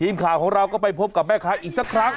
ทีมข่าวของเราก็ไปพบกับแม่ค้าอีกสักครั้ง